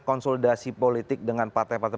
konsolidasi politik dengan partai partai